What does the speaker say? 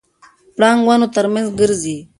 پړانګ ونو ترمنځ ګرځي.